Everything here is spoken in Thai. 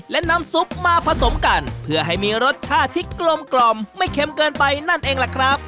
และน้ำซุปมาผสมกันเพื่อให้มีรสชาติที่กลมกล่อมไม่เค็มเกินไปนั่นเองล่ะครับ